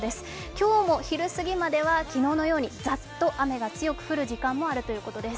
今日も昼すぎまでは昨日のようにざっと雨が強く降る時間があるということです